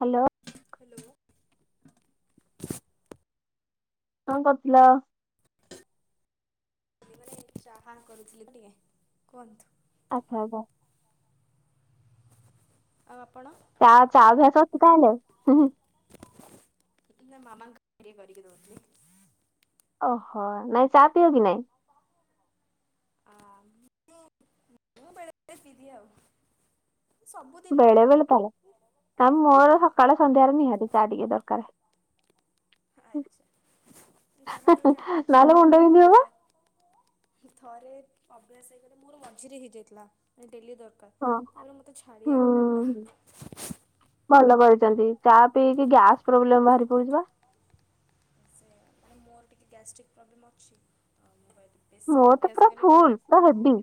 Hello. Hello. କଣ କରଥୁଲ? ବେଳେ କି ଚହାନ କରୁଥିଲି ଟିକେ କୁହନ୍ତୁ। ଆ ହବ। ଆଉ ଆପଣ? [unintelligible] ଏଇନା ମାମାଙ୍କୁ ଖିରି କରିକି ଦଉଥିଲି। ଓହୋ ନାଇଁ ଚାହା ପିଅ କି ନାଇଁ? [unintelligible] ସବୁଦିନ ବେଳେ ନୁହଁ ବେଳେ ତାହେଲେ ତା ମୋର ହଁ ସକାଳ ସନ୍ଧ୍ୟାରେ ନିହାତି ଚା ଟିକେ ଦରକାର। ଆଛା ଯାହା ଗୋଟେ ନହେଲେ ଅଟେକ୍ସନ ମୁଣ୍ଡ ଟାଇପ ର ବିନ୍ଧିବ ବା ଥଟ ଥରେ ଅଭ୍ୟାସ ହେଇଗଲେ ମୋର ମଝିରେ ହେଇଯାଇଥିଲା ମାନେ ଡେଲି ଦରକାର। ହଁ ତାପରେ ମତେ ଛାଡିବାକୁ ପଡିଲା। ହୁଁ। ଭଲ କରିଛନ୍ତି ଚା ପିଇକି ଗ୍ୟାସ୍ ପ୍ରୋବ୍ଲେମ ବାହାରି ପଦୁଚିବା। ଆଉ ମୋର ଟିକିେ ଗ୍ୟାଷ୍ଟ୍ରିକ୍ ପ୍ରୋବ୍ଲେମ୍ ଅଛି ତ ମୁଁ ବେଶୀ ମୋର ତ ଅଭ୍ୟାସ ପୁରା ହେଇଗଲେ ଫୁଲ ପୁଣି ପୁରା ହେବି।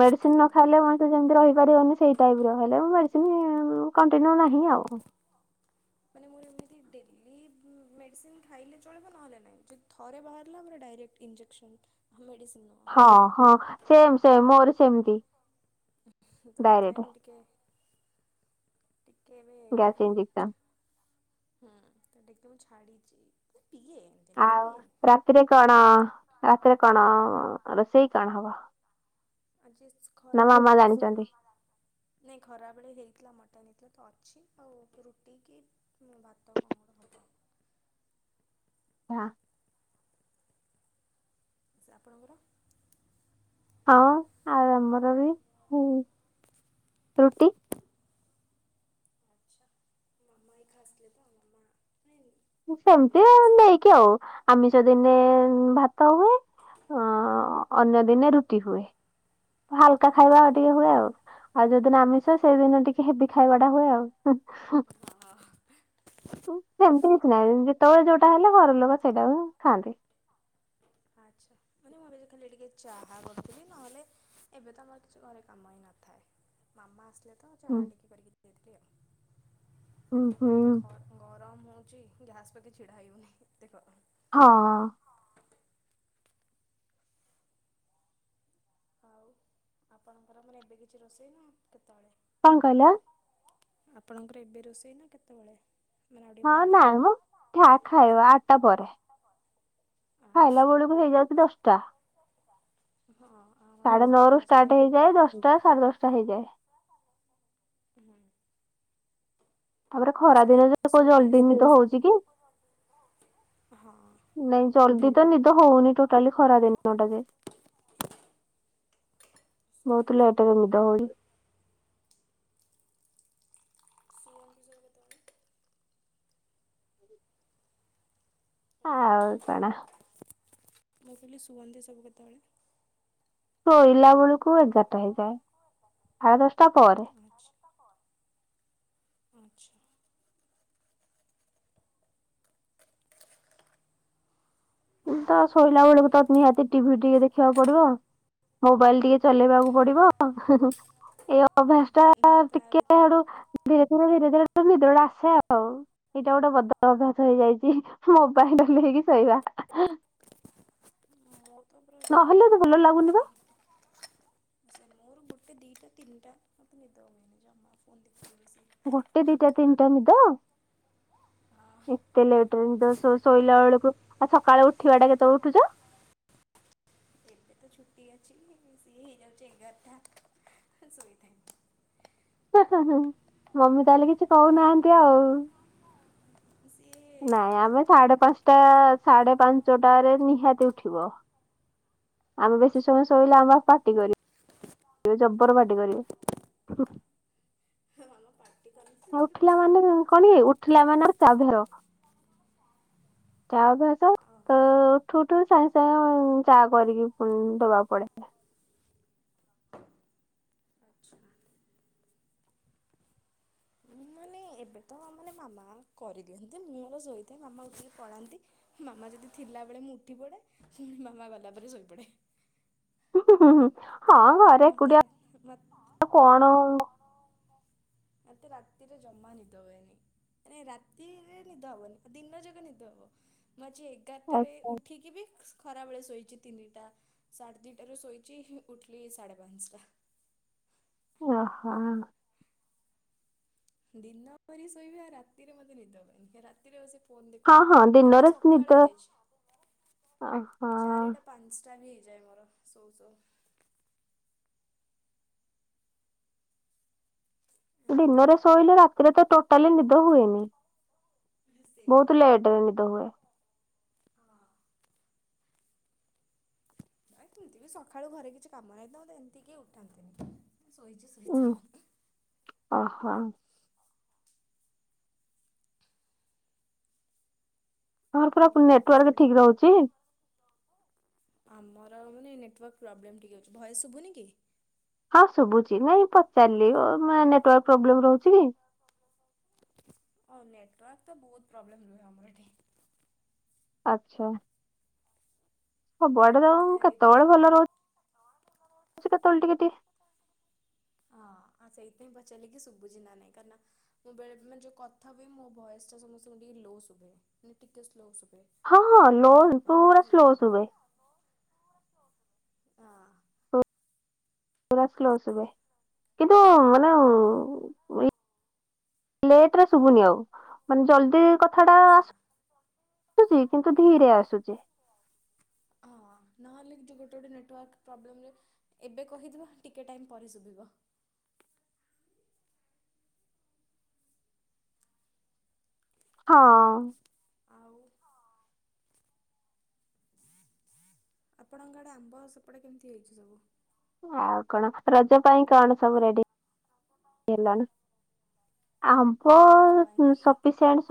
ମେଡିସିନ ତ ନ ଡକ୍ଟର ଖାଇଲେ ଯେମତି ରହିପାରିବନି ସେଇ ଟାଇପ ର ହେଲେ ମେଡିସିନ କଣ୍ଟିନ୍ୟୁ ନାହିଁ ଆଉ ମାନେ ମୋର ଏମିତି ଡେଲି ମେଡିସିନ ଖାଇଲେ ଚଳିବ ନହେଲେ ନାହିଁ ଯଦି ଥରେ ବାହାରିଲାର ଡାଇକ୍ଟ ଇଞ୍ଜେକ୍ସନ୍ ମେଡ଼ିଡିସିନ୍ ତ ହଁ ହଁ ସେମ ସେମ ମୋର ସେମିତି ଡାଇରେକ୍ଟ ହେଇଥିପାଇଁ ମୁ ଟିକେ ଟିକେ ଏବେ ଗ୍ୟାସ ଇଞ୍ଜେକ୍ସନ। ହୁଁ ତ ଟିକେ ମୁଁ ଛାଡ଼ିଛି ପିଏ। ନୁହଁ କି ଆଉ ପିଏନି ରାତିରେ କଣ ରାତିରେ କଣ ରୋଷେଇ କଣ ହବ? ଆଜି ନା ଖରା ବେଳେ ମାମା ରୋଷେଇ ଜାଣିଛନ୍ତି ନାଇଁ ଖରାବେଳେ ହେଇଥିଲା ମଟନ୍ ହେଇଥିଲା ତ ଅଛି ଆଉ ରୁଟି କିି ଭାତ କଙ୍ଗଡ଼ ହଥା। ହଁ। ଆ ଆପଣଙ୍କର? ହଁ ଆଉ ଆମର ବି ରୁଟି। ଆଚ୍ଛା ମାମା ଇ ଖାସିଲେ ତ ଆ ଆମା। ସେମିତି ନେଇକି ଆଉ ଆମିଷ ଦିନେ ହୁଁ ଭାତ ହୁଏ। ଅ ଅନ୍ୟ ଦିନେ ରୁଟି ହୁଏ। ହାଲକା ଖାଇବା ଆଚ୍ଛା ଟିକେ ହୁଏ ଆଉ ଆଉ ଯଉଦିନ ଆମିଷ ସେଇଦିନ ଟିକେ ହେବ ଖାଇବା ଟା ହୁଏ ଆଉ। ହଁ ସେମିତି କିଛି ନାହିଁ। ତଳେ ଯୋଉଟା ହେଲେ ଘର ଲୋକ ସେଇଟାକୁ ଖାଆନ୍ତି। ଆଚ୍ଛା। ମାନେ ମୁଁ ଏବେ ଖାଲି ଟିକେ ଚାହା କରୁଥିଲି ନହେଲେ ଏବେ ତ ଆମର କିଛି ଘରେ କାମ ହି ନଥାଏ। ମାମା ଆସିଲେ ତ ହୁଁ ଚାହା ଟିକେ କରିକି ଦେଉଥିଲି ହୁଁ ଆଉ ଯୋଉ ହୁଁ ତ ଖରା। ଗରମ ହଉଛି ଗ୍ୟାସ ପାଖେ ଛିଡା ହେଇ ହଉନି ଏତେ ଗରମ। ହଁ। ଆଉ ଆପଣଙ୍କର ମାନେ ଏବେ କିଛି ରୋଷେଇ ନା କେତେବେଳେ? କଣ କହିଲ? ଆପଣଙ୍କର ଏବେ ରୋଷେଇ ନା କେତେବେଳେ। ମାନେ ଆଉ ଟିକେ ହଁ ପରେ? ନାଁଇମ। ଯା ଖାଇବା ଆଠଟା ପରେ ଆଚ୍ଛା ଖାଇଲା ବେଳକୁ ହେଇଯାଉଛି ଦଶଟା। ହଁ ଆମର ସାଢେ ବି ନଅ ସେଇ ରୁ ଷ୍ଟାର୍ଟ ଦଶଟା ଏଗାରଟା ହେଇଯାଏ ଦଶଟା ସାଢେ ଦଶଟା ହେଇଯାଇଛି। ହେଇଯାଏ। ହୁଁ। ତାପରେ ଆଉ ଖରା ଶୋଇ ଦିନ ଯ ଶୋ କୋଉ ମାନେ ଜଲଦି ଶୁଅନ୍ତି ନିଦ ସବୁ ହଉଛି କି। ହଁ। ନାଇଁ ଜଲଦି ତ ନିଦ ହଉନି ଟୋଟାଲି ଖରା ଦିନଟା ଯେ। ଶୁଅନ୍ତି ବହୁତ ସବୁ ଲେଟରେ କେତେବେଳେ ନିଦ ହଉ। ଶୁଅନ୍ତି ସବୁ କେତବେଳେ। ହ୍ୟାଲୋ। ଆଉ କଣ। ମୁଁ କହୁଥିଲି ଶୁଅନ୍ତି ସବୁ କେତେବେଳେ? ଶୋଇଲା ବେଳକୁ ଏଗାରଟା ହେଇଯାଏ ସାଢେ ଦଶଟା ପରେ। ଆଛା ଆଛା। ତ ହଁ। ଶୋଇଲା ବେଳକୁ ତ ନିହାତି ଟିଭି ଟିକେ ଦେଖିବାକୁ ପଡିବ ମୋବାଇଲ ଟିକେ। ଚଲେଇବାକୁ ହୁଁ ପଡିବ ହୁଁ ହୁଁ ଏଇ ଅଭ୍ୟାସ ଟା ତା ଟିକେ ଆଡୁ। ଧୀରେ ଧୀରେ ଧୀରେ ଧୀରେ ତ ନିଦରଟା ଆସେ ଆଉ। ଏଇଟା ଗୋଟେ ବଦ ଅଭ୍ୟାସ ହେଇଯାଇଛି ମୋବାଇଲ [unintelligible] ଶୋଇବା ହେ। [unintelligible] ନହଲେ ତ ଭଲ ଗୋଟେ ଲାଗୁନି ବା। ଦିଟା ଟେ ଦିଇଟା ତିନଟା ତ ମତେ ନିଦ ହୁଏନି ଜମା ଫୋନ ଟିପେ ବେଶୀ। ଗୋଟେ ଦିଟା ତିନିଟା ନିଦ ଏତେ ଲେଟରେ ନିଦ ସ। ଶୋଇଲା ବେଳକୁ ଆଉ ସକାଳେ ଉଠିବା ଟା କେତେବେଳୁ ଉଠୁଛ? ଏବେ ତ ଛୁଟି ଅଛି ସିଏ ହେଇଯାଉଛି ଏଗାର ଟା ସୋଇଥିବି। ମମି ତାହେଲେ କିଛି କହୁନାହାନ୍ତି ଆଉ। ସିଏ ନାଇଁ ଆମେ ଡାକର। ସାଢେ ପାଞ୍ଚଟା ସାଢେ ପାଞ୍ଚଟାରେ ନିହାତି ଉଠିବ। ଆମେ ବେଶୀ ଆଚ୍ଛା ସମୟ ଶୋଇଲେ ମାନେ ଆମ ପାଟି କରି। ଜବର ପାଟି କରିବେ। ହ ମାମା ପାଟି କଲେ ସେ ଆଉ ତାରେ ଉଠିଲା ମାନେ ପଳାନ୍ତି ତ ମୁଁ କଣ ଶୋଇ କି ପଡିଥାଏ। ଉଠିଲା ମାନେ ଆଉ ତା ଦେହର ଓହୋ। ଠୁଠୁ ସାଙ୍ଗେ ସାଙ୍ଗେ ଚା କରିକି ଦବା ପଡେ। ଆଚ୍ଛା। ମୁଁ ମାନେ ଏବେ ତ ମାନେ ମାମା କରିଦିଅନ୍ତି ମୁଁ ମୋର ଶୋଇଥାଏ ମାମା ଉଠିକି ପଳାନ୍ତି। ମାମା ଯଦି ଥିଲା ବେଳେ ମୁଁ ଉଠି ପଡେ ପୁଣି ମାମା ଗଲା ପରେ ଶୋଇପଡେ। ହୁଁ ହୁଁ। ମତେ ରା ମତେ। କଣ ଓହୋ ଏତେ ରାତିରେ ଜମା ନିଦ ହୁଏନି। ମାନ ରାତିରେ ନିଦ ହବନି ଦିନ ଯାକ ନିଦ ହବ ମୁଁ ଆଜି। ଗାଟା ରେ ଉଠିକି ବି। ଖରାବେଳେ ଶୋଇଛି ତିନିଟା ସାଢ଼େ ଦୁଇଟାରୁ ଶୋଇଛି ଉଠିଲି ସାଢ଼େ ପାଞ୍ଚଟା। ଓହୋ। ଦିନ ପରି ଶୋଇବା ଆଉ ରାତିରେ ମତେ ନିଦ ହବନି ରାତିରେ ବସି। ଫୋନ ହଁ ହଁ ଦେଖୁଥିବି ଏମିତି ଦିନରେ ସକାଳ ନିଦ ହେଇ ଯାଇଛି। ଓହୋ ପାଞ୍ଚଟା ବି ହେଇଯାଏ ମୋର ସଉ ସଉ। ଏମିତି ଦିନରେ ଆଉ। ଶୋଇଲେ ରାତିରେ ତ ଟୋଟାଲି ନିଦ ହୁଏନି। ସେଇ ବହୁତ ଲେଟ ରେ ନିଦ ହୁଏ। ହଁ। ନାଇ ସେମିତି ବି ସକାଳୁ ଘରେ କିଛି କାମ ନାହିଁ ତ ଏମିତି କି ଉଠାନ୍ତିନି ଶୋଇଛି। ଉଁ ଇଥା। ଓହୋ। ହଁର ଆଉ ପୁରା ଏମିତିରେ ବି ନେଟୱାର୍କ ସାନ ଠିକ ରହୁଛି। ଆମର ମାନେ ନେଟୱାର୍କ ପ୍ରୋବ୍ଲେମ ଟିକେ ଅଛି ଭଏସ୍‌ ଶୁଭୁନି କି। ହଁ ଶୁଭୁଛି ନାଇଁ ପଚାରିଲି ନେଟାର୍ ପ୍ରୋବ୍ଲେମ ରହୁଛି କି। ହଉ ନେଟୱାର୍କ ତ ବହୁତ ପ୍ରୋବ୍ଲେମ ରୁହେ ଆମର ଏଠି। ଆଚ୍ଛା। ସବୁଆଡ଼େ ଜାଉ ଏ କେତେବେଳେ ଏଇଥିପାଇଁ ଭଲ ରହୁଛିହୁଛି କେତେବେଳେ ଟିକେ ଟିକେ। ହଁ ଆ ସେଇଥିପାଇଁ ପଚାରିଲି କି ସୁୁଭୁଚି ନା ନାଇଁ କହିଁକିନା। ମୁଁ ବେଳେଳେ ମେ ଯୋଉ କଥା ହୁଏ ମୋ ଭଏସ ଟା ସମସ୍ତଙ୍କୁ ଟିକେ ଲୋ ଶୁଭେ ମାନେ ଟିକେ ସ୍ଲୋ ଶୁଭେ। ହଁ ହଁ ଲୋ ହେଇଥିପାଇଁ ପୁରା ସ୍ଲୋ କି ବା ଶୁଭେ। ହଁ। ପୁରା ତ ସ୍ଲୋ ସୁଭେ ହଁ ହଁ। ଲେଟ ରେ ଶୁଭୁନି ଆଉ ମାନେ ଜଲଦି। ସେଡା ଆଚ୍ଛା ଆସ ଆସୁଛି କିନ୍ତୁ ଧୀରେ ଆସୁଛି। ହଁ ନହେଲେ କି ଯଉ ଗୋଟେ ଗୋଟେ ନେଟୱାର୍କ ପ୍ରୋବ୍ଲେମ ରେ ୲ ଏବେ କହିଦବା ଟିକିଏ ଟାଇମ୍ ପରେ ଶୁଭିବ। ହଁ। ଆଉ। ଆପଣଙ୍କ ଆଡ଼େ ଆମ୍ବ ସେପଟେ କେମିତି ହେଇଛି ସବୁ। ଆଉ କଣ ରଜ ପାଇଁ କଣ ସବୁ ରେଡି? ହେଲାଣି ଆମ୍ବ ରଜ ପାଇଁ କି ସପିସେଣ୍ଟ।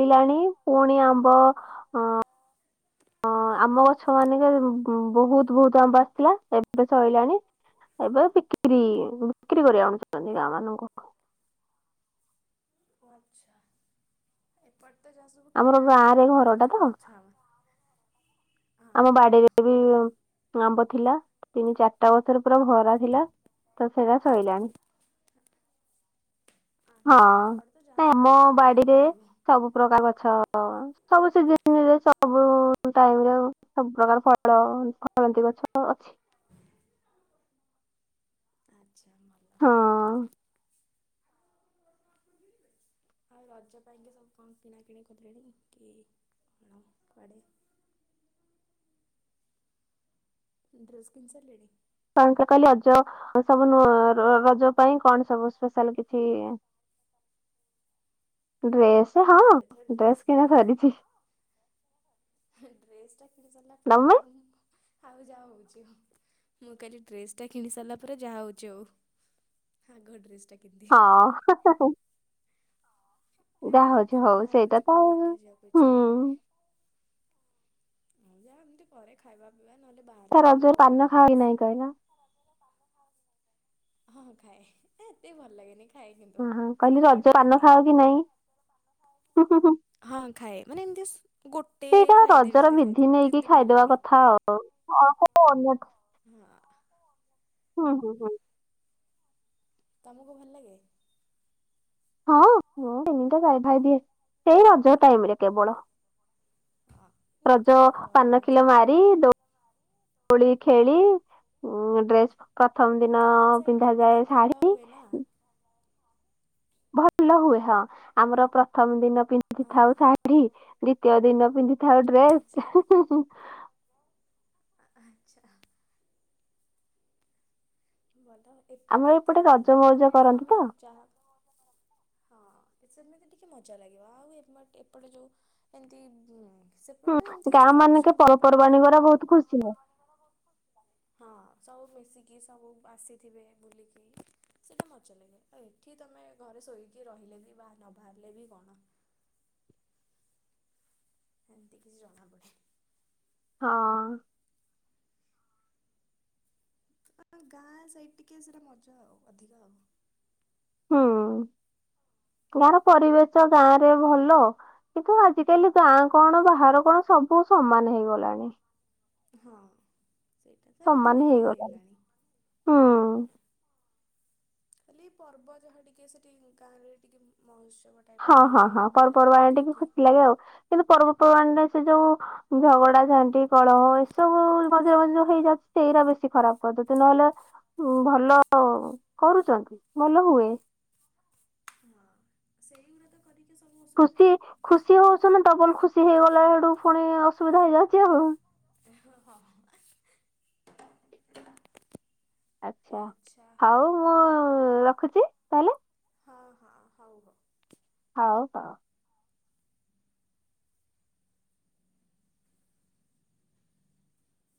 ପିଲାଣି ପୁଣି ଆମ୍ବ। ହଁ ଆମ ଗଛ ମାନକରେ ବହୁତ ବହୁତ ଆମ୍ବ ଆସିଥିଲା ସେଥିପାଇଁ ସରିଲାଣି। ଏବେ ବିକ୍ରି ବିକ୍ରି କରି ଆଣୁଛନ୍ତି ଗାଁ ମାନଙ୍କୁ। ଆଛା ଏପଟ ତ ଯାହା ସବୁ ଆମର କିଣା ଗାଁ ହେଇକି ରେ ଖାଇବା ଏପଟ ଘରଟା ତ ଗଛ ହବ। ଆମ ବାଡିରେ ବି। ଆମ୍ବ ଥିଲା ତିନି ଚାରିଟା ବର୍ଷର ପୁରା ଭରା ଥିଲା ତ ସେଇଟା ସୋରିଲାଣି। ହଁ ଆଚ୍ଛା ଏପଟେ ତ ଯାହା ନ ସବୁ ଆମ କିଣିକି ବାଡିରେ ଖାଇବୁ। ସବୁ ପ୍ରକାର ଗଛ। ସବୁ ସିଜିନରେ ସବୁ ଟାଇମ ରେ ଆ। ସବୁ ପ୍ରକାର ଫଳ ଫଳନ୍ତି ଗଛ ଅଛି। ଆଚ୍ଛା ମମଲ। ହଁ ଆଉ ରଜ ପାଇଁକି ସବୁ କଣ କିଣା କିିଣି କରିଲେଣି କି କଣ କୁଆଡେ। ଡ୍ରେସ୍ କିିନିସାରିଲେଣି। ତାଙ୍କରକଲି ରଜ ସବୁ ନ ରଜ ପାଇଁ କଣ ସବୁ ସ୍ପେଶାଲ କିଛି। ଡ୍ରେସ ହଁ ଏବେ ତ ଡ୍ରେସ୍ ଡ୍ରେସ କିଣା ସରିଛି। ଡ୍ରେସ ଟା କିଣି ସାରିଲା ପରେ ତମେ ଆଉ। ଆଉ ଯାହା ହେଉଛି ମୁଁ କାଲି ଡ୍ରେସ୍ଟା କିଣି ସାରିଲା ପରେ ଯାହାହଉଛି ଆଉ। ଆଗ ଡ୍ରେସ ଟା। ହଁ। ଏତ ଯାହା ଯୋଉ ହଉଛି ହଉ ଖରା ସେଇଟା ହଉଛି ତ ଆଉ କୁଆଡେ ଯିବାକୁ ହୁଁ ଇଛା ହଉନି। ହଉ ଯାହା ଏମିତି ଘରେ ଖାଇବା ପିଇବା ନହେଲେ ବାହରେ ତା ଯାଇକି ରଜରେ କୋଉଠି ପାନ ଖାଅ ଖାଇକି କି ନାହିଁ ଆସିବ। କହିଲ ହଁ ଖାଏ ଏତେ ଭଲ ଲାଗେନି। ଖାଏ କିନ୍ତୁ ହଁ ହଁ କହିଲି ଗୋଟେ ରଜ ଗୋଟେ ପାନ ଖାଇଦିଏ। ଖାଅ କି ନାଇଁ? ହୁଁ ହୁଁ ହୁଁ ହଁ ଖାଏ ମାନେ ଏମିତି। ହଁ ଗୋଟେ ସେଇଟା ଖାଇଦେବି ରଜର ଯଦି ବିଧି ଖାଇଥିବୁ ନେଇକି ଏମିତି ଭଲ ଖାଇଦବା ଲାଗେ। କଥା ଆଉ। ଅଳ୍ପ ଅନର୍ଥ ହଁ। ହୁଁ ହୁଁ ହୁଁ। ତମକୁ ଭଲ ଲାଗେ? ହଁ ମୁଁ ତିନିଟା ଯାାଇ ଭାଇ ଦିଏ ସେଇ ରଜ ବଳ ହଁ ନା ମତେ ରଜ ଏତେ ଭଲ ପାନ ଲାଗେନି ସେ କିଲୋ ମାର ଦୋଳି ଖେଳି ଉ ଡ୍ରେସ ପ୍ରଥମ ଦିନ ଗାଁ ସାଇଡରେ ଟିକେ ପିନ୍ଧାାଯାଏ ଭଲ ଶାଢୀ ହୁଏ ନା। ଭଲ ହୁଏ ହଁ ଆମର ପ୍ରଥମ ଦିନ ହଁ ପିନ୍ଧିଥାଉ ଶାଢୀ ଦ୍ଵିତୀୟ ଦିନ ପିନ୍ଧି ଆଚ୍ଛା। ଡ୍ରେସ୍ ଆଚ୍ଛା। ବଲ ଏପଟେ ଆମର ଏତେ ନାହିଁ ରଜ ମାନେ ମଉଜ ଏଠି କରନ୍ତି ତମେ ତ। ଯାହା ହଁ ସେମିତି ଟିକେ ମଜା ଲାଗିବ ଆଉ ଏ ଏପଟେ ଯୋଉ ଏମିତି ଉ ସେ ହୁଁ ମାନେ ଏମିତି ଗାଁ କିଛି ମାନକେ ଫଙ୍କସନ୍ ଟାଇପ ର କି ପର୍ବପର୍ବାଣୀ ହଁ ଗୁରା ବହୁତ ଖୁସି ସବୁ ମିଶିକି ସବୁ ଆସିଥିବେ ବୁଲିକି ସେଇଟା ମଜା ଲାଗେ ଆଉ ଏଠି ତୁମେ ଘରେ ଶୋଇ କି ରହିଲେ ବି ବା ନ ବାହାରିଲେ ବି କଣ ଏମିତି କିଛି ଜଣାପଡ଼େ ହଁ ଗାଁ ସେଇ ଟିକେ ସେଇଟା ମଜା ଆଉ ଅଧିକା ଆଉ ହୁଁ ଗାଁହାର ପରିବେଶ ଗାଁ ରେ କିନ୍ତୁ ଆଜିିକାଲି ଗାଁ କଣ ବାହାର କଣ ସବୁ ସମାନ ହେଇଗଲାଣି ହଁ ସେଇଟା ସେବେ ଧୀରେ ସମାନ ଧୀରେ ହେଇଗଲାଣି ହେଇଲାଣି ହୁଁ ହେଲେ ଏଇ ପର୍ବ ଯାହା ଟିକେ ସେଠି ଗାଁ ରେ ଟିକେ ମହସ ବଟ ହଁ ହଁ ହଁ ପର୍ପର୍ବାଣି ଟିକେ ଖୋଥିଲାାଗେ ଆଉ କିନ୍ତୁ ପର୍ବପର୍ବାଣିରେ ସେ ଯୋଉ ଝଗଡା ଝାଣ୍ଟି କଳହ ସବୁ ବାସ୍ ମ୍ିର ମ୍ିର ହଁ। ହେଇଯାଉଛି ସେଇରାା ବେଶୀ ଖରାପ କରିଦଛନ୍ତି ନହେଲେ ଭଲ କରୁଛନ୍ତି ଭଲ ହୁଏ ହଁ ସେଂର ତ କରିକି ସବୁ ଖୁସି ଅସୁବିଧା ଖୁସି ହଉଛ ଡବଲ ଖୁସି ହେଇଗଲା ଏଡୁ ପୁଣି ଅସୁବିଧା ହେଇଯାଉଛି ଆଉ ଓ ହ ଆଚ୍ଛା ହଉ ମୁଁ ହଉ ରଖୁଛି ତାହେଲେ ହଁ ହଁ ହଉ ହଉ ହଉ ପାଉ